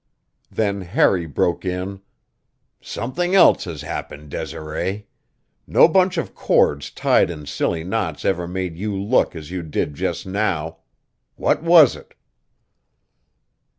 Then Harry broke in: "Something else has happened, Desiree. No bunch of cords tied in silly knots ever made you look as you did just now. What was it?"